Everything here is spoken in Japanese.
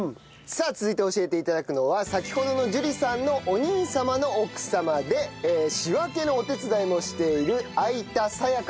さあ続いて教えて頂くのは先ほどの樹里さんのお兄様の奥様で仕分けのお手伝いもしている相田彩香さんです。